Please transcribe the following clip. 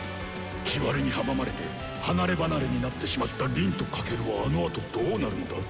地割れに阻まれて離れ離れになってしまった凛と翔はあのあとどうなるんだ？